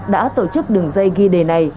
đã tổ chức đường dây ghi đề này